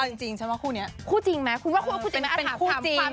คู่จริงฉันว่าคู่นี้คู่จริงไหมคุณว่าคู่จริงไหม